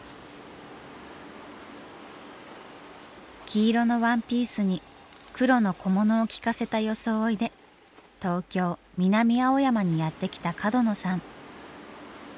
黄色のワンピースに黒の小物をきかせた装いで東京・南青山にやって来た角野さん。